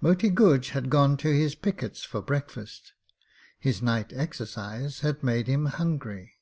Moti Guj had gone to his pickets for breakfast. His night exercise had made him hungry.